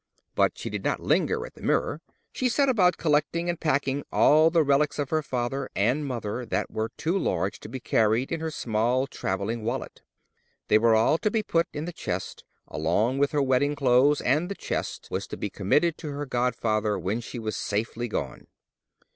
But she did not linger at the mirror: she set about collecting and packing all the relics of her father and mother that were too large to be carried in her small travelling wallet. They were all to be put in the chest along with her wedding clothes, and the chest was to be committed to her godfather when she was safely gone.